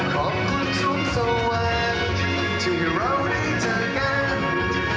ขอบคุณสูงสวรรค์ที่ทำให้ฉันได้พบเธอ